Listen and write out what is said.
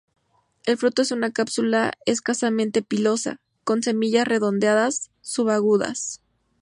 El fruto es una cápsula escasamente pilosa; con semillas redondeadas, subagudas.